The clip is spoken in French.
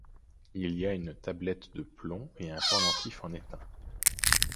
Il y a une tablette de plomb et un pendentif en étain.